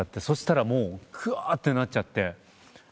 そしたらもうくわーってなっちゃって。